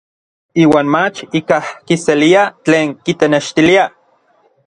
Iuan mach ikaj kiselia tlen kitenextilia.